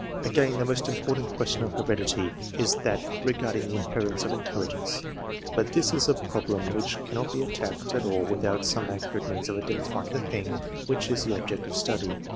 Again, the most important question of heredity is that regarding the inheritance of intelligence; but this is a prob lem which cannot be attacked at all without some accurate means of identifying the thing which is the object of study.